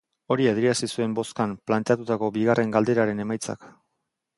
Hori adierazi zuen bozkan planteatutako bigarren galderaren emaitzak.